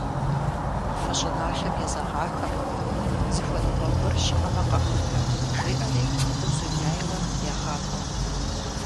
Мы щӀыналъэм езэгъахэмэ, зыхуэныкъуэ гуэр щыӀэмэ къэхутэ, - жеӀэри Узуняйла егъакӀуэ.